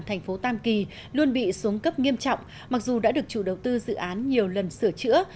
thành phố tam kỳ luôn bị xuống cấp nghiêm trọng mặc dù đã được chủ đầu tư dự án nhiều lần sửa chữa